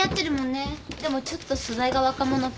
でもちょっと素材が若者っぽいかも。